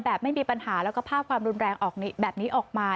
ไม่มีปัญหาแล้วก็ภาพความรุนแรงแบบนี้ออกมา